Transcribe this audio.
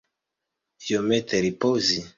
Iomete ripozi.